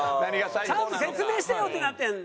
ちゃんと説明してよ！ってなってるんだ。